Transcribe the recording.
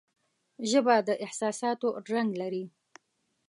ژبه د احساساتو رنگ لري